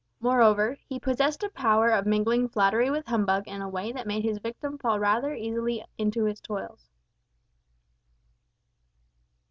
Moreover, he possessed a power of mingling flattery with humbug in a way that made his victim fall rather easily into his toils.